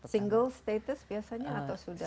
single status biasanya atau sudah